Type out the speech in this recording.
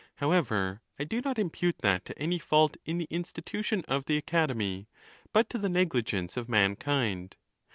However, I do not impute that to any fault in the institution of the Academy, but to the negligence of mankind.